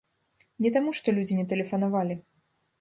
Не таму, што людзі не тэлефанавалі.